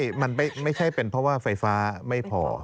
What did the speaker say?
มันไม่ใช่เป็นเพราะว่าไฟฟ้าไม่พอ